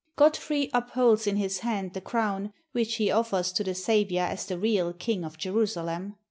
Godfrey upholds in his hand the crown, which he offers to the Saviour as the real King of Jerusalem.